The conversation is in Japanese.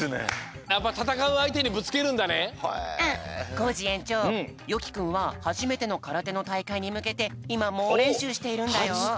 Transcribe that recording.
コージえんちょうよきくんははじめてのからてのたいかいにむけていまもうれんしゅうしているんだよ。